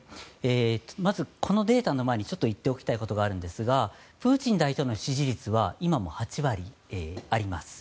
まず、このデータの前に言っておきたいことがあってプーチン大統領の支持率は今も８割あります。